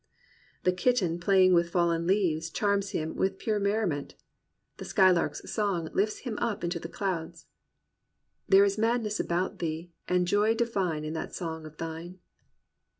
The kitten playing with the fallen leaves charms him with pure merriment. The skylark's song lifts him up into the clouds. *' There is madness about thee, and joy divine In that song of thine."